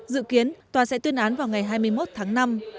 dự kiến tòa sẽ tuyên án vào ngày hai mươi một tháng năm